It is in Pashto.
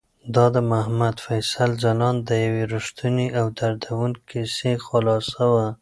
دا د محمد فیصل ځلاند د یوې رښتونې او دردونکې کیسې خلاصه وه.